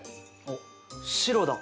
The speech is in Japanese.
あっ白だ！